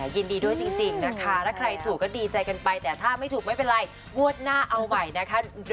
ยินดีด้วยจริงนะคะถ้าใครถูกก็ดีใจกันไปแต่ถ้าไม่ถูกไม่เป็นไรงวดหน้าเอาใหม่นะคะ